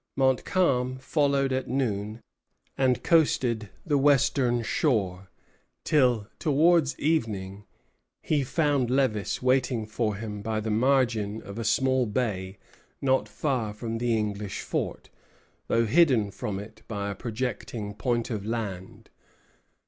Montcalm followed at noon, and coasted the western shore, till, towards evening, he found Lévis waiting for him by the margin of a small bay not far from the English fort, though hidden from it by a projecting point of land.